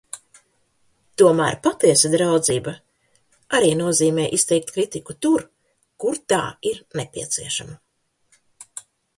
Tomēr patiesa draudzība arī nozīmē izteikt kritiku tur, kur tā ir nepieciešama.